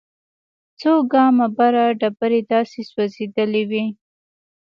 څو ګامه بره ډبرې داسې سوځېدلې وې.